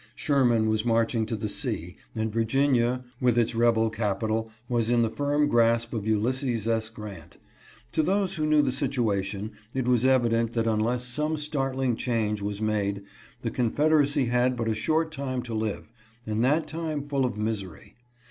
Sher man was marching to the sea, and Virginia with its rebel capital was in the firm grasp of Ulysses S. Grant. To those who knew the situation it was evident that unless some startling change was made the Confederacy had but a short time to live, and that time full of misery.